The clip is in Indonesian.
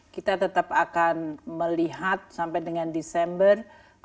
kita tetap akan melihat sampai dengan desember